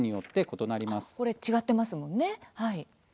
これ、違ってますもんね。